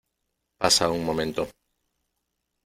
pasa un momento.